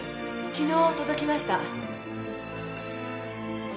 昨日届きました。